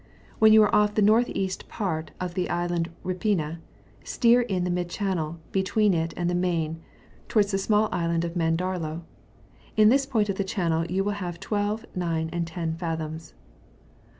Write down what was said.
When you are off the north east part of the island Rapipa, steer in the mid channel between it and the main, towards the small island Mandarlo; in this part of the channel you will have 12, 9, and 10 fathoms.